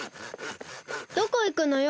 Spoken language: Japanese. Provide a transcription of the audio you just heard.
どこいくのよ？